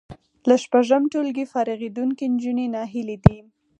له شپږم ټولګي فارغېدونکې نجونې ناهیلې دي